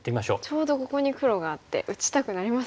ちょうどここに黒があって打ちたくなりますよね。